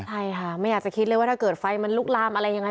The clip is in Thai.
ใช่ค่ะไม่อยากจะคิดเลยว่าถ้าเกิดไฟมันลุกลามอะไรยังไง